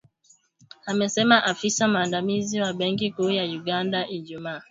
amesema afisa mwandamizi wa benki kuu ya Uganda, Ijumaa